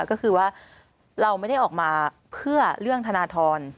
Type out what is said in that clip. ก็คือว่าเราไม่ได้ออกมาเพื่อเรื่องธนทร